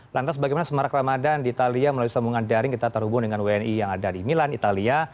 lantas bagaimana semarak ramadan di italia melalui sambungan daring kita terhubung dengan wni yang ada di milan italia